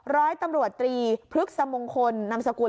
ร้อยตำรวจตรีพฤกษมงคลนามสกุล